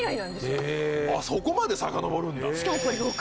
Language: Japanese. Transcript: あっそこまでさかのぼるんだ！